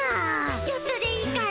ちょっとでいいから。